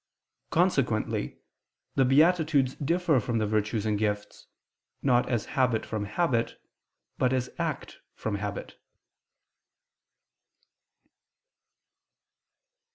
Consequently the beatitudes differ from the virtues and gifts, not as habit from habit, but as act from habit.